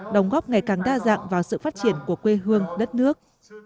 đóng góp ngày càng đa dạng vào sự phát triển của quê hương đất nước